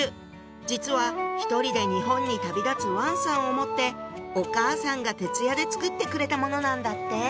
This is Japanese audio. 実は１人で日本に旅立つ王さんを思ってお母さんが徹夜で作ってくれたものなんだって！